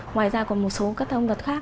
ngoài ra còn một số các thông vật khác